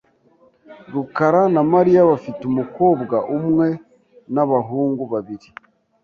rukara na Mariya bafite umukobwa umwe n'abahungu babiri .